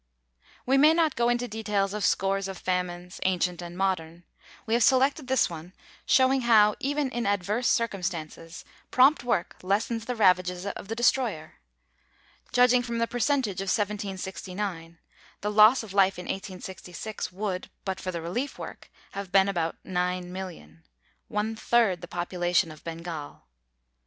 We may not go into details of scores of famines, ancient and modern; we have selected this one, showing how, even in adverse circumstances, prompt work lessens the ravages of the destroyer. Judging from the percentage of 1769, the loss of life in 1866 would, but for the relief work, have been about 9,000,000 one third the population of Bengal.